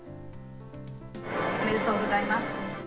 おめでとうございます。